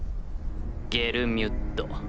ゲルミュッド